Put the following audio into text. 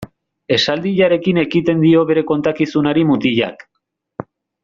Esaldiarekin ekiten dio bere kontakizunari mutilak.